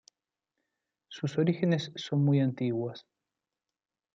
Sus orígenes son muy antiguas.